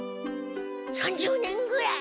３０年ぐらい。